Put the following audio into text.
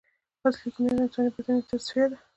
اصلي کیمیا د انسان باطني تصفیه ده.